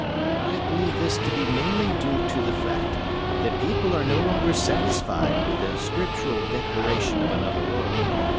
I believe this to be mainly due to the fact that people are no longer satisfied with the scriptural declaration of another world.